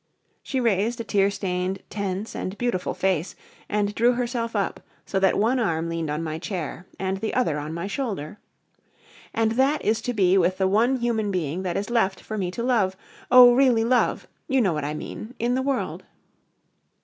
She raised a tear stained, tense and beautiful face and drew herself up so that one arm leaned on my chair, and the other on my shoulder. "And that is to be with the one human being that is left for me to love oh, really love you know what I mean in the world."